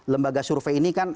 lembaga survei ini kan